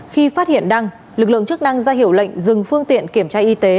khi phát hiện đăng lực lượng trước đăng ra hiểu lệnh dừng phương tiện kiểm tra y tế